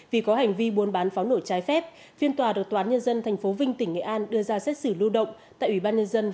vì có hành vi buôn bán pháo nổi trái phép phiên tòa được tòa án nhân dân tp vinh tỉnh nghệ an đưa ra xét xử lưu động tại ủy ban nhân dân